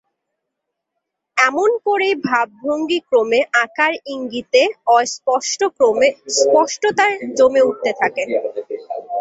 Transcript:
এমন করেই ভাবভঙ্গি ক্রমে আকার-ইঙ্গিতে, অস্পষ্ট ক্রমে স্পষ্টতায় জমে উঠতে থাকে।